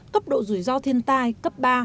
cấp độ rủi ro thiên tai cấp ba